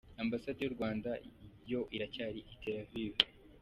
Ambasade y’u Rwanda yo iracyari i Tel Aviv.